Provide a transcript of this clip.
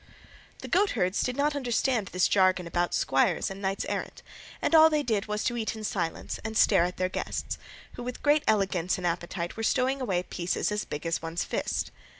The goatherds did not understand this jargon about squires and knights errant, and all they did was to eat in silence and stare at their guests, who with great elegance and appetite were stowing away pieces as big as one's fist.